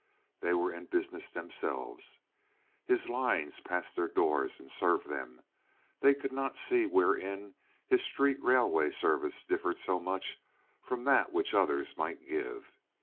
They were in business themselves. His lines passed their doors and served them. They could not see wherein his street railway service differed so much from that which others might give.